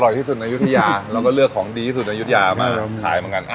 อร่อยที่สุดในนายุทยาเราก็เลือกของดีที่สุดในนายุทยามาขายมากัน